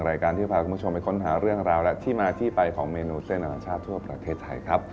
รายการที่พาคุณผู้ชมไปค้นหาเรื่องราวและที่มาที่ไปของเมนูเส้นอนาชาติทั่วประเทศไทยครับ